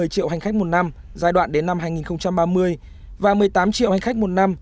một mươi triệu hành khách một năm giai đoạn đến năm hai nghìn ba mươi và một mươi tám triệu hành khách một năm